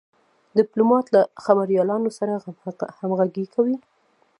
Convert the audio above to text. ډيپلومات له خبریالانو سره همږغي کوي.